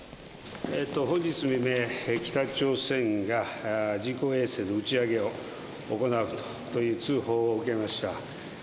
本日未明、北朝鮮が人工衛星の打ち上げを行うという通報を受けました。